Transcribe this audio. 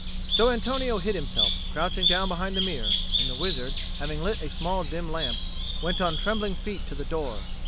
So Antonio hid himself, crouching down behind the mirror; and the wizard, having lit a small dim lamp, went on trembling feet to the door.